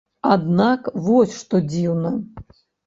Аднак вось што дзіўна.